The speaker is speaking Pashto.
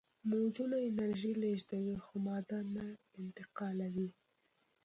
موجونه انرژي لیږدوي خو ماده نه انتقالوي.